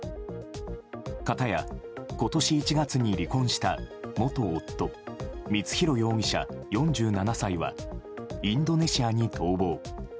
かたや、今年１月に離婚した元夫光弘容疑者、４７歳はインドネシアに逃亡。